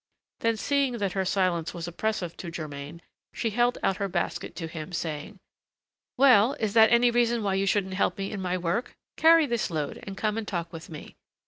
Then, seeing that her silence was oppressive to Germain, she held out her basket to him, saying: "Well, is that any reason why you shouldn't help me in my work? Carry this load, and come and talk with me.